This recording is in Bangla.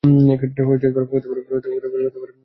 হতে পারে তিনি কোন গীর্জার বক্তা।